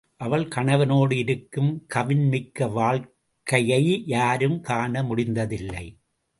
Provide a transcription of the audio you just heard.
அவள் கணவனோடு இருக்கும் கவின்மிக்க வாழ்க் கையை யாரும் காண முடிந்ததில்லை.